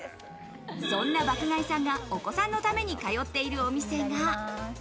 そんな爆買いさんがお子さんのために通っているお店が。